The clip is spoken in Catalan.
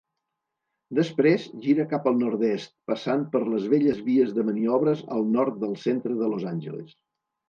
Després gira cap al nord-est, passant per les velles vies de maniobres al nord del centre de Los Angeles.